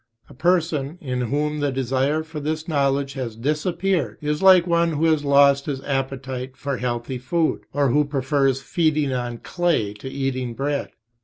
A person in whom the desire for this knowledge has disappeared is like one who has lost his appetite for healthy food, or who prefers feeding on clay to eating bread.